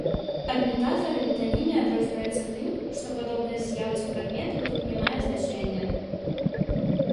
Ад метафары метанімія адрозніваецца тым, што падобнасць з'яў ці прадметаў тут не мае значэння.